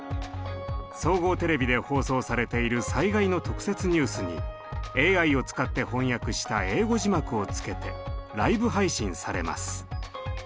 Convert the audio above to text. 総合テレビで放送されている災害の特設ニュースにＡＩを使って翻訳した英語字幕をつけてライブ配信されます。